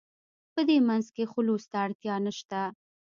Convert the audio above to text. په دې منځ کې خلوص ته اړتیا نشته.